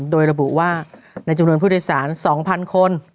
โดยระบุว่าในจำนวนผู้โดยสาร๒๐๐คน